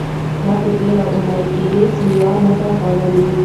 ما په تېره اونۍ کې هیڅ مېوه نه ده خوړلې.